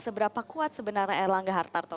seberapa kuat sebenarnya erlang gartoso